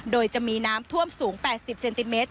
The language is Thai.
โดยจะมีน้ำท่วมสูง๘๐เซนติเมตร